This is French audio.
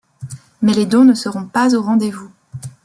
Mais les dons ne seront pas au rendez-vous.